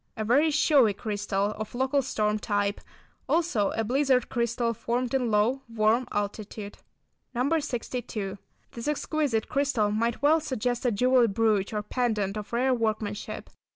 A very showy crystal, of local storm type, also a blizzard crystal formed in low, warm altitude. No. 62. This exquisite crystal might well suggest a jewelled brooch or pendant of rare workmanship.